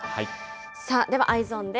ではＥｙｅｓｏｎです。